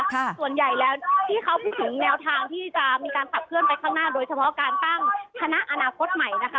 ส่วนใหญ่แล้วที่เขาพูดถึงแนวทางที่จะมีการขับเคลื่อนไปข้างหน้าโดยเฉพาะการตั้งคณะอนาคตใหม่นะคะ